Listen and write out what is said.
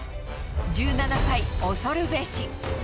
１７歳恐るべし。